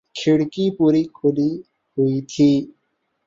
کھڑکی پوری کھلی ہوئی تھی